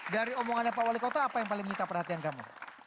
dari omongannya pak wali kota apa yang paling menyita perhatian kamu